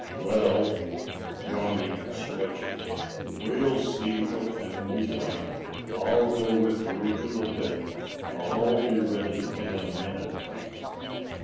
Well," yawning and stretching, "we'll see what can be done. I'll go with you to the pit. I'll be ready in a minute."